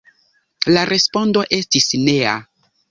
La respondo estis nea.